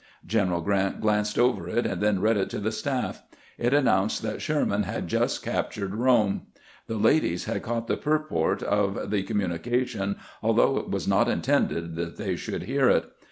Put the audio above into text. General Grant glanced over it, and then read it to the staff. It an nounced that Sherman had just captured Rome. The ladies had caught the purport of the communication, although it was not intended that they should hear it.